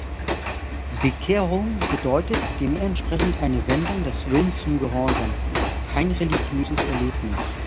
Bekehrung bedeutet dementsprechend eine Wendung des Willens zum Gehorsam, kein religiöses Erlebnis.